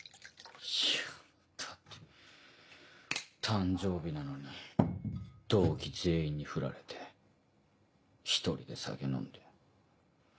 いやだって誕生日なのに同期全員にフラれて１人で酒飲んで。